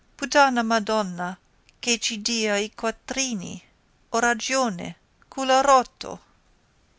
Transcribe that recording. —_Puttana madonna, che ci dia i quattrini! Ho ragione? Culo rotto!